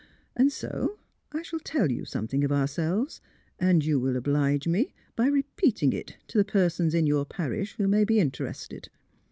And so I shall tell you something of ourselves, and you will oblige me by repeating it to the persons in your parish, who may be interested."